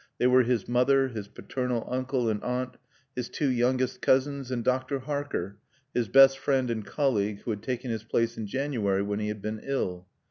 They were his mother, his paternal uncle and aunt, his two youngest cousins, and Dr. Harker, his best friend and colleague who had taken his place in January when he had been ill.